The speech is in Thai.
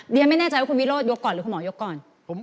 ไม่แน่ใจว่าคุณวิโรธยกก่อนหรือคุณหมอยกก่อน